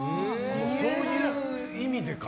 そういう意味でか。